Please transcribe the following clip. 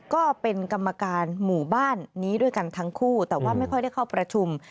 ก็เป็นกรรมการหมู่บ้านนี้ด้วยกันทั้งคู่แต่ว่าไม่ค่อยได้เข้าประชุม